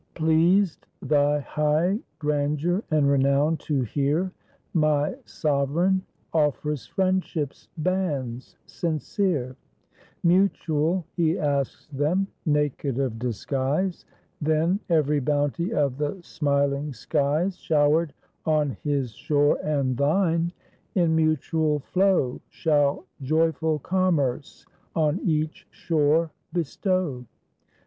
"Pleased thy high grandeur and renown to hear, My sovereign offers friendship's bands sincere: Mutual he asks them, naked of disguise. Then every bounty of the smiling skies 6io THE SPEECH OF VASCO DA GAMA Shower'd on his shore and thine, in mutual flow, Shall joyful commerce on each shore bestow.